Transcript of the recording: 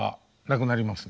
亡くなります。